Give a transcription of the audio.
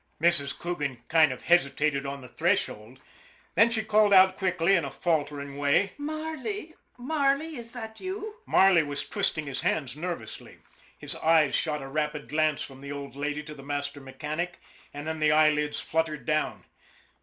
Mrs. Coogan kind of hesitated on the threshold, then she called out quickly in a faltering way :" Marley, Marley, is that you ?" Marley was twisting his hands nervously. His eyes shot a rapid glance from the old lady to the master mechanic, and then the eyelids fluttered down.